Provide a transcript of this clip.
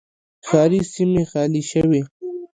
ښاري سیمې خالي شوې.